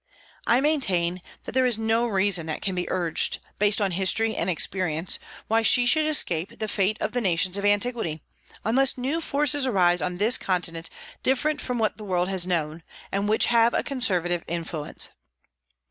I maintain that there is no reason that can be urged, based on history and experience, why she should escape the fate of the nations of antiquity, unless new forces arise on this continent different from what the world has known, and which have a conservative influence.